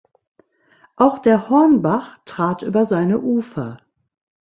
Auch der Hornbach trat über seine Ufer.